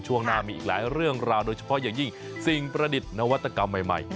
ช่วงหน้ามีอีกหลายเรื่องราวโดยเฉพาะอย่างยิ่งสิ่งประดิษฐ์นวัตกรรมใหม่